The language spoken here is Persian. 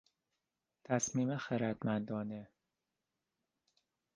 تصمیم خردمندانه